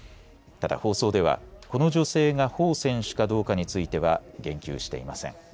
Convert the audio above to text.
ただ、放送ではこの女性が彭選手かどうかについては言及していません。